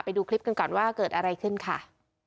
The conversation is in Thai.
ไปดูคลิปกันก่อนว่าเกิดอะไรขึ้นค่ะ